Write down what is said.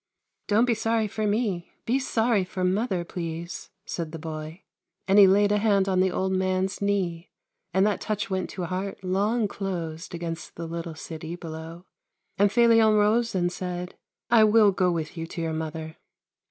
" Don't be sorry for me ; be sorry for mother, please," said the boy, and he laid a hand on the old man's knee, and that touch went to a heart long closed against the little city below ; and Felion rose and said :" I will go with you to your mother."